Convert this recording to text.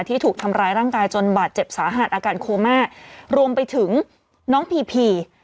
ถูกทำร้ายร่างกายจนบาดเจ็บสาหัสอาการโคม่ารวมไปถึงน้องพีพี